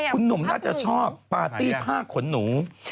คุณหนุ่มน่าจะชอบปาร์ตี้ผ้าขนหนู